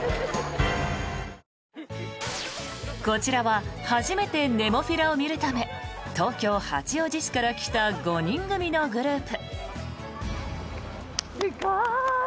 こちらは初めてネモフィラを見るため東京・八王子市から来た５人組のグループ。